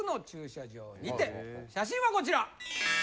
写真はこちら。